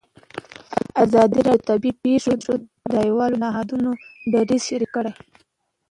ازادي راډیو د طبیعي پېښې د نړیوالو نهادونو دریځ شریک کړی.